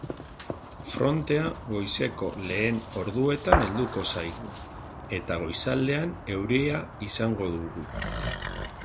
Frontea goizeko lehen orduetan helduko zaigu, eta goizaldean euria izango dugu.